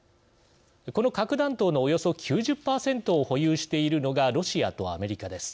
この核弾頭のおよそ９０％を保有しているのがロシアとアメリカです。